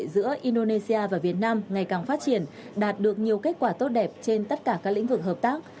giữa indonesia và việt nam ngày càng phát triển đạt được nhiều kết quả tốt đẹp trên tất cả các lĩnh vực hợp tác